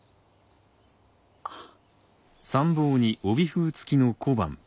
あっ。